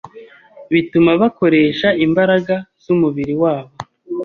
Bituma bakoresha imbaraga z’umubiri wabo